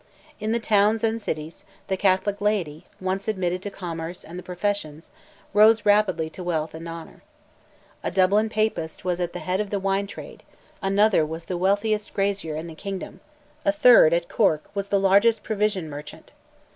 In the towns and cities, the Catholic laity, once admitted to commerce and the professions, rose rapidly to wealth and honour. A Dublin Papist was at the head of the wine trade; another was the wealthiest grazier in the kingdom; a third, at Cork, was the largest provision merchant.